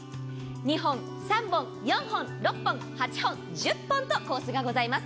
２本、３本、４本、６本８本、１０本とコースがございます